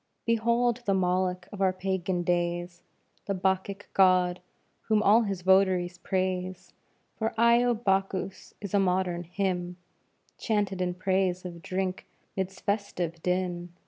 _ Behold the Moloch of our Pagan days, The Bacchic God, whom all his votaries praise; For "Io Bacchus" is a modern hymn, Chanted in praise of drink 'midst festive din.